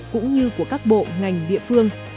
cũng như của các bộ ngành địa phương